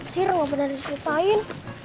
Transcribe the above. sir nggak pernah disuruh paham